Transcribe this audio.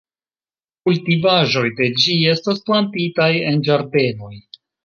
Kultivaĵoj de ĝi estas plantitaj en ĝardenoj.